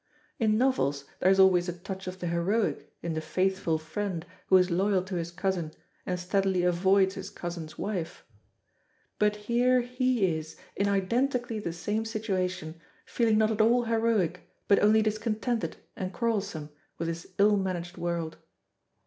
In novels there is always a touch of the heroic in the faithful friend who is loyal to his cousin, and steadily avoids his cousin's wife; but here he is in identically the same situation, feeling not at all heroic, but only discontented and quarrelsome with this ill managed world.